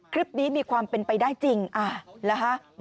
คลิปนี้มีความเป็นไปได้จริงอ่าหรือฮะ